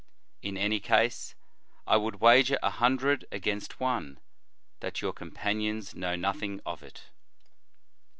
In any case, I would wager a hundred against one, that your companions know nothing of it.